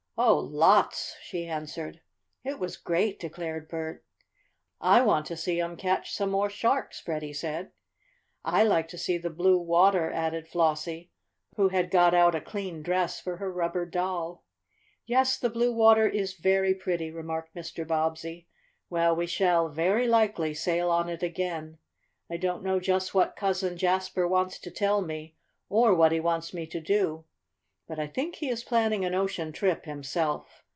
"Oh, lots!" she answered. "It was great!" declared Bert. "I want to see 'em catch some more sharks," Freddie said. "I like to see the blue water," added Flossie, who had got out a clean dress for her rubber doll. "Yes, the blue water is very pretty," remarked Mr. Bobbsey. "Well, we shall, very likely, sail on it again. I don't know just what Cousin Jasper wants to tell me, or what he wants me to do. But I think he is planning an ocean trip himself.